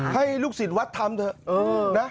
ให้ลูกศิษย์วัดทำเถอะนะ